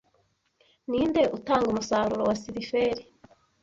Ninde utanga umusaruro wa sulferi